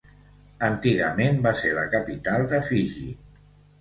Antigament va ser la capital de Fiji.